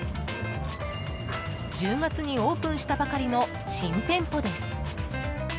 １０月にオープンしたばかりの新店舗です。